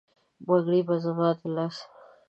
بنګړي به زما د لاس،